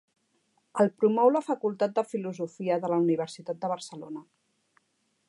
El promou la Facultat de Filosofia de la Universitat de Barcelona.